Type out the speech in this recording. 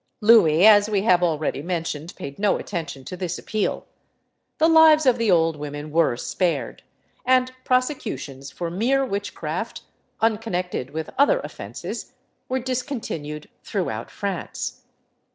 Louis, as we have already mentioned, paid no attention to this appeal. The lives of the old women were spared, and prosecutions for mere witchcraft, unconnected with other offences, were discontinued throughout France.